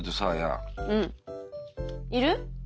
うん。いる？